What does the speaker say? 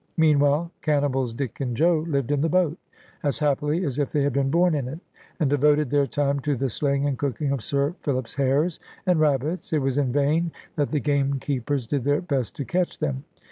Meanwhile Cannibals Dick and Joe lived in the boat, as happily as if they had been born in it, and devoted their time to the slaying and cooking of Sir Philip's hares and rabbits. It was in vain that the gamekeepers did their best to catch them.